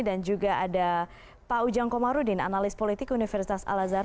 dan juga ada pak ujang komarudin analis politik universitas al azhar